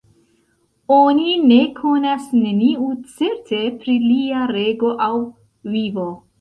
Oni ne konas neniu certe pri lia rego aŭ vivo.